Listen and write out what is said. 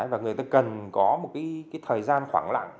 và người ta cần có một cái thời gian khoảng lặng